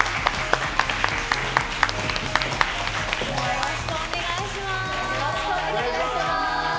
よろしくお願いします。